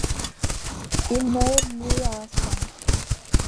Il meurt le à Sens.